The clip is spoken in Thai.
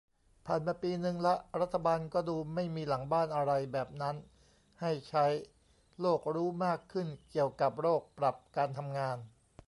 ผ่านมาปีนึงละ รัฐบาลก็ดูไม่มีหลังบ้านอะไรแบบนั้นให้ใช้ โลกรู้มากขึ้นเกี่ยวกับโรค ปรับการทำงาน